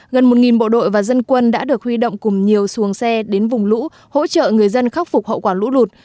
gần một bộ đội và dân quân đã được huy động cùng nhiều xuồng xe đến vùng lũ hỗ trợ người dân khắc phục hậu quả lũ lụt